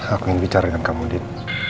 aku ingin bicara dengan kamu din